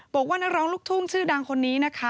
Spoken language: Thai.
บอกว่านักร้องลูกทุ่งชื่อดังคนนี้นะคะ